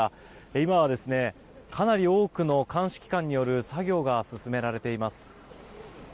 今はかなり多くの鑑識官による作業が進められています。